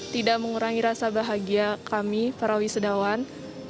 tidak mengurangi rasa bahagia kami para wisudawan